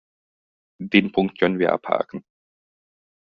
Den Punkt können wir abhaken.